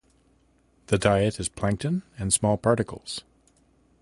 The diet is plankton and small particles.